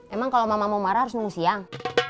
emang kalau mama mau marah harus nunggu siang